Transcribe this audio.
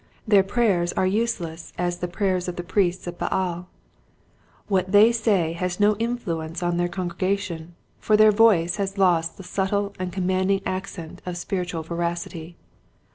Their prayers are useless as the prayers of the priests of Baal. What they say has no influence on their congregation, for their voice has lost the subtle and com manding accent of spiritual veracity.